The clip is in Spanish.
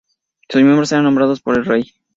Sus miembros eran nombrados por el Rey.